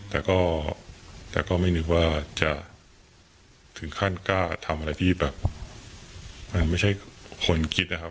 แต่ก็ไม่นึกว่าจะถึงขั้นกล้าทำอะไรที่แบบไม่ใช่คนคิดนะครับ